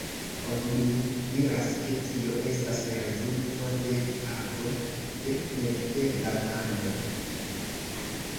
Oni diras, ke tio estas rezulto de ago de nevidebla mano.